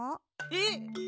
えっ！